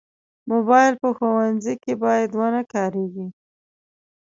موبایل په ښوونځي کې باید ونه کارېږي.